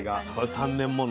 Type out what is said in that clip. ３年もの。